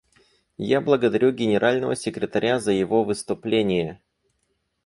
Я благодарю Генерального секретаря за его выступление.